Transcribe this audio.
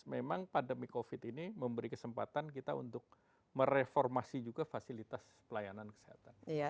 memang pandemi covid ini memberi kesempatan kita untuk mereformasi juga fasilitas pelayanan kesehatan